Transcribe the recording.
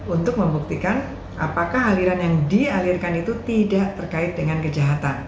untuk membuktikan apakah aliran yang dialirkan itu tidak terkait dengan kejahatan